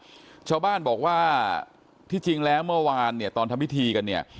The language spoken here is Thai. ชาวบ้านบอกว่าที่จริงแล้วเมื่อวานเนี่ยตอนทำพิธีกันเนี่ย